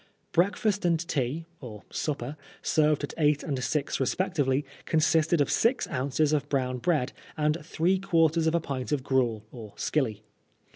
Breakfast and tea (or supper), served at eight and six respectively, consisted of six ounces of brown bread and three quarters of a pint of gruel, or "skilly."